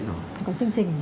có chương trình